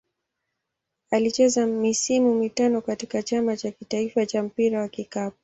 Alicheza misimu mitano katika Chama cha taifa cha mpira wa kikapu.